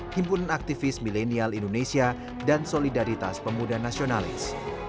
himpunan aktivis milenial indonesia dan solidaritas pemuda nasionalis